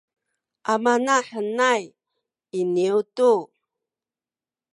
amanahenay iniyu tu